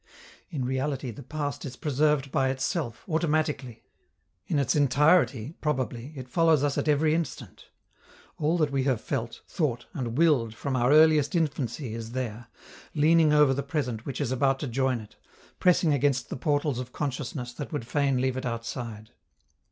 In reality, the past is preserved by itself, automatically. In its entirety, probably, it follows us at every instant; all that we have felt, thought and willed from our earliest infancy is there, leaning over the present which is about to join it, pressing against the portals of consciousness that would fain leave it outside.